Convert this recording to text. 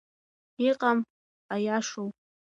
Иҟам Аиашоу?